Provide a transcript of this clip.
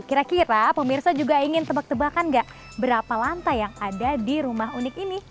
kira kira pemirsa juga ingin tebak tebakan nggak berapa lantai yang ada di rumah unik ini